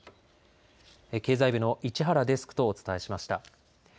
経済部の市原デスクとお伝えしました。